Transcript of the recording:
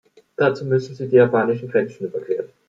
Dazu müssen sie die japanischen Grenzen überqueren.